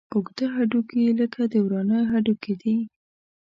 اوږده هډوکي لکه د ورانه هډوکي دي.